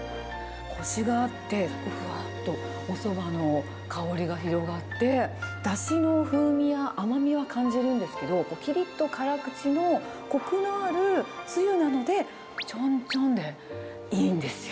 こしがあって、ふわっと、おそばの香りが広がって、だしの風味や甘みは感じるんですけど、きりっと辛口のこくのあるつゆなので、ちょんちょんでいいんですよ。